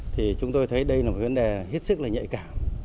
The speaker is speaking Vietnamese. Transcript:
thì chúng tôi thấy đây là một vấn đề hết sức là nhạy cảm